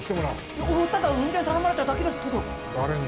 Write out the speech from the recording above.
いや俺はただ運転頼まれただけですけど。誰に？